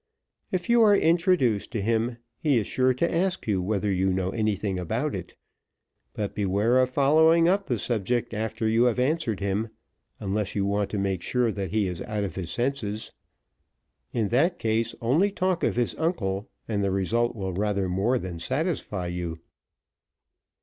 If you are introduced to him he is sure to ask you whether you know anything about it; but beware of following up the subject after you have answered him, unless you want to make sure that he is out of his senses. In that case, only talk of his uncle, and the result will rather more than satisfy you."